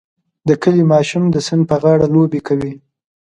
د کلي ماشوم د سیند په غاړه لوبې کوي.